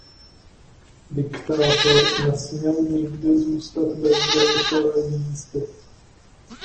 Diktátor nesměl nikdy zůstat bez velitele jízdy.